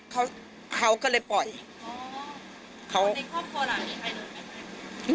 เขาเขาก็เลยปล่อยอ๋อเขาในครอบครัวหลังนี้ใครโดนกัน